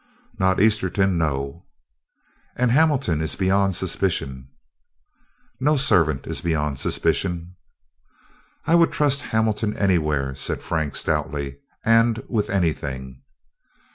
"Not Esterton, no." "And Hamilton is beyond suspicion." "No servant is beyond suspicion." "I would trust Hamilton anywhere," said Frank stoutly, "and with anything."